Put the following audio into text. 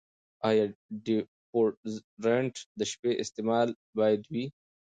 ایا ډیوډرنټ د شپې استعمال باید وي؟